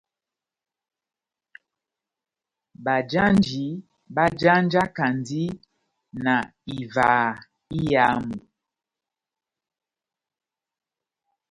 Bajanji bájanjakandi na ivaha iyamu.